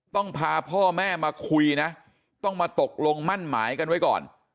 ต้องพาพ่อแม่มาคุยนะต้องมาตกลงมั่นหมายกันไว้ก่อน